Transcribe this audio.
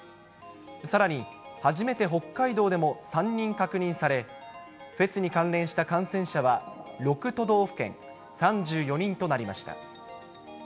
さらに初めて北海道でも３人確認され、フェスに関連した感染者は６都道府県３４人となりました。